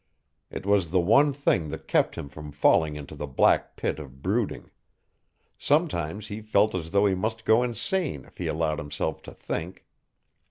It was the one thing that kept him from falling into the black pit of brooding; sometimes he felt as though he must go insane if he allowed himself to think.